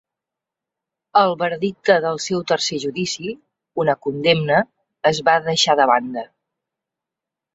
El veredicte del seu tercer judici, una condemna, es va deixar de banda.